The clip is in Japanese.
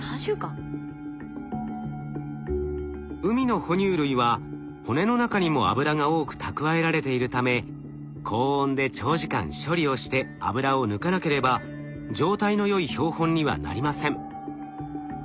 海の哺乳類は骨の中にも脂が多く蓄えられているため高温で長時間処理をして脂を抜かなければ状態のよい標本にはなりません。